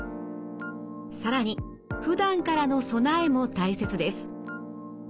更にふだんからの備えも大切です。